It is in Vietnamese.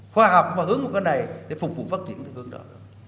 khoa học có hướng một cái này để phục vụ phát triển từ hướng đó